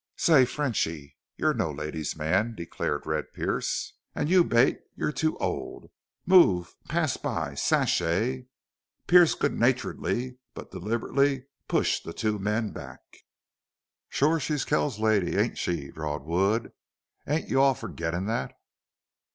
"Say, Frenchy, you're no lady's man," declared Red Pearce, "an' you, Bate, you're too old. Move pass by sashay!" Pearce, good naturedly, but deliberately, pushed the two men back. "Shore she's Kells's lady, ain't she?" drawled Wood. "Ain't you all forgettin' thet?"